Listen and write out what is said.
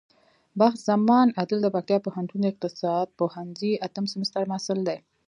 بخت زمان عادل د پکتيا پوهنتون د اقتصاد پوهنځی اتم سمستر محصل دی.